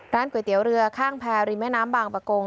ก๋วยเตี๋ยวเรือข้างแพรริมแม่น้ำบางประกง